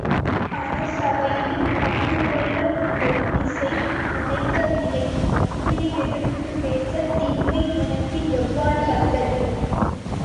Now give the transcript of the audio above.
அரச அவையில் பங்குகொள்ள உங்கள் மீசை நரைக்கவில்லை அண்ணனை எதிர்த்துப்பேசத் திண்மை உனக்கு எவ்வாறு வந்தது?